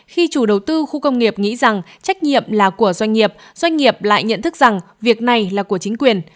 khi chủ đầu tư khu công nghiệp nghĩ rằng trách nhiệm là của doanh nghiệp doanh nghiệp lại nhận thức rằng việc này là của chính quyền